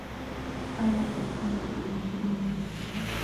آیا عقیق هم په ایران کې نه موندل کیږي؟